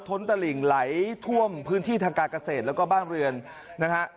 ้นตลิ่งไหลท่วมพื้นที่ทางการเกษตรแล้วก็บ้านเรือนนะฮะ